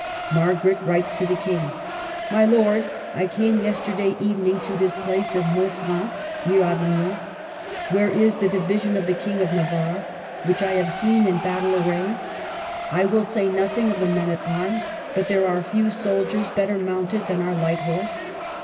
Margaret writes to the King, —■" My Lord, I came yesterday evening to this place of Monfrin (near Avignon), where is the division of the King of Navarre, which I have seen in battle array. I will say nothing of the men at arms ; but there are few soldiers better mounted than our light horse.